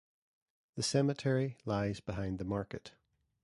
The cemetery lies behind the market.